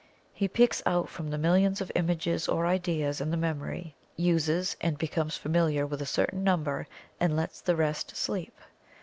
He picks out from the millions of images or ideas in the memory, uses and becomes familiar with a certain number, and lets the rest sleep.